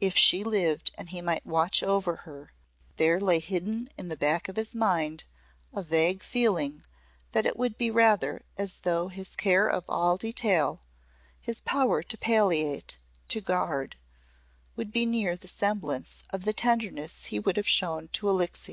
If she lived and he might watch over her, there lay hidden in the back of his mind a vague feeling that it would be rather as though his care of all detail his power to palliate to guard would be near the semblance of the tenderness he would have shown to Alixe.